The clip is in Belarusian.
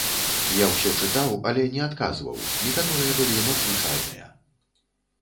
Я ўсё чытаў, але не адказваў, некаторыя былі надзвычайныя.